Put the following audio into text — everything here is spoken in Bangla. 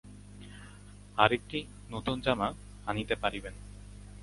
আর একটি নূতন জামা আনিতে পারিবেন।